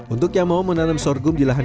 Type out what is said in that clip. untuk yang mau menanam sorghum di lahan